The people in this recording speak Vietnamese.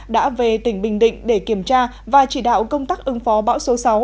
đã về tỉnh bình định để kiểm tra và chỉ đạo công tác ứng phó bão số sáu